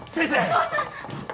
お父さん！